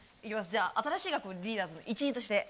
じゃあ新しい学校のリーダーズの一員として。